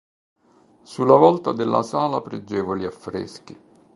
Sulla volta della sala pregevoli affreschi.